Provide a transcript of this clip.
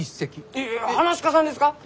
いや噺家さんですか！？